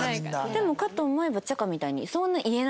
でもかと思えばちゃかみたいに。